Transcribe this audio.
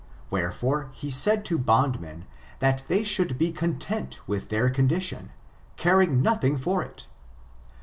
Wherefore, he said to bondmen, that they should be content with their condition, careing nothing for it.